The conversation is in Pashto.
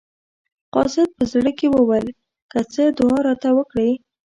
قاصد په زړه کې وویل که څه دعا راته وکړي.